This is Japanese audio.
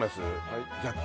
はい？